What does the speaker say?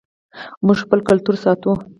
موږ خپل کلتور ساتو